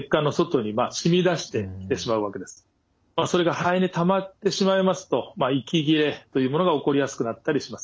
それが肺にたまってしまいますと息切れというものが起こりやすくなったりします。